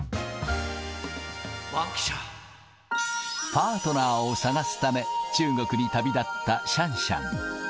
パートナーを探すため、中国に旅立ったシャンシャン。